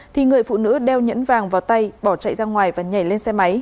thì người phụ nữ đeo nhẫn vàng vào tay bỏ chạy ra ngoài và nhảy lên xe máy